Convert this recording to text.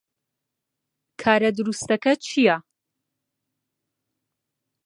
کارە دروستەکە چییە؟